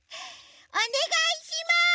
おねがいします！